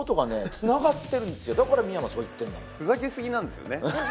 つながってるだから深山そう言ってんだもんふざけすぎなんですよね